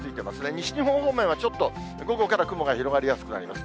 西日本方面はちょっと午後から雲が広がりやすくなります。